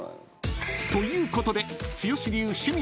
［ということで］